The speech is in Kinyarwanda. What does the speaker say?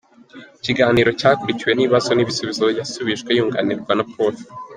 Ikiganiro cyakurikiwe n’ibibazo n’ibisubizo yasubije yunganirwa na Prof.